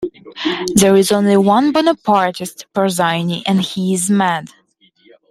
There is only one Bonapartist, Persigny - and he is mad!